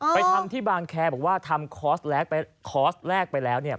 ไปทำที่บางแคร์บอกว่าทำคอร์สแรกไปแล้ว